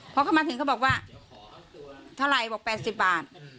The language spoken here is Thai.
พอเขามาถึงเขาบอกว่าเท่าไหร่บอก๘๐บาท